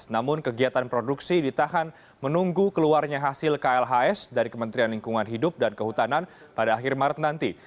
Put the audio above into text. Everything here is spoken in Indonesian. namun kegiatan produksi ditahan menunggu keluarnya hasil klhs dari kementerian lingkungan hidup dan kehutanan pada akhir maret nanti